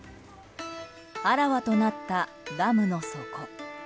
あらわとなったダムの底。